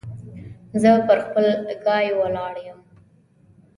زه پر خپل ګای ولاړ يم.